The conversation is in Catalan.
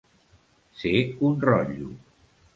Ser un rotllo.